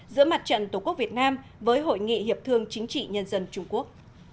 giữa mặt trận tổ quốc việt nam với hội nghị hiệp thương chính trị nhân dân trung quốc